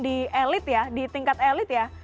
di tingkat elit ya